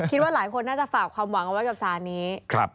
คิดว่าหลายคนน่าจะฝากความหวังเอาไว้กับสารนี้